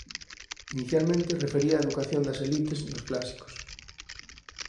Inicialmente refería a educación das elites nos clásicos.